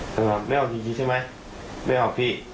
แล้วเขาก็ไม่ออกจริงใช่ไหมไม่ออกพี่